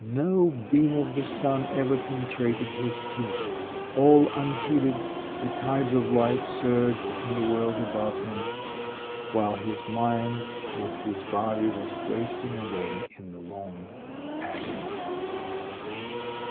No beam of the sun ever penetrated his tomb. All unheeded the tides of life surged in the world above him, while his mind with his body was wasting away in the long agony.